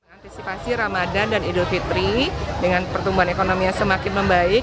antisipasi ramadan dan idul fitri dengan pertumbuhan ekonomi yang semakin membaik